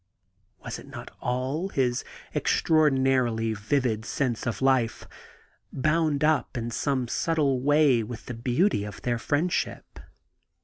Was it not all — his extra ordinarily vivid sense of life — bound up in some subtle way with the beauty of their friendship?